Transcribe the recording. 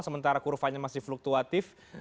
sementara kurvanya masih fluktuasi